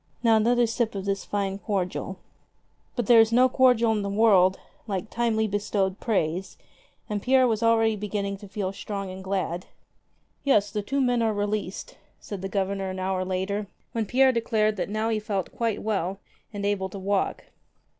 Now, another sip of this fine cordial." But there is no cordial in the world like timely bestowed praise, and Pierre was already beginning to feel strong and glad. 46 "Yes, the two men are released," said the Governor, an hour later, when Pierre declared that now he felt quite well and able to walk.